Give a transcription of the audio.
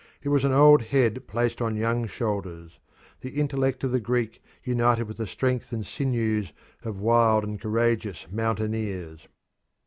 It was an old head placed on young shoulders the intellect of the Greek united with the strength and sinews of wild and courageous mountaineers.